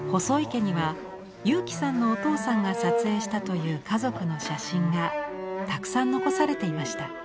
細井家には佑基さんのお父さんが撮影したという家族の写真がたくさん残されていました。